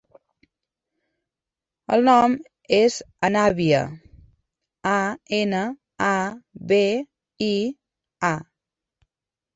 El nom és Anabia: a, ena, a, be, i, a.